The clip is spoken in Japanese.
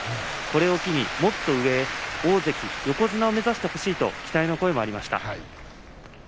これを機に、もっと上に大関横綱を目指してほしいという期待の声もありました。